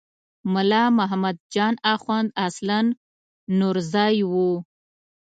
ملا محمد جان اخوند اصلاً نورزی و.